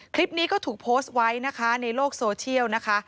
คลิปนี้ก็ถูกโพสต์ไว้นะคะในโลกโซเชียลนะคะ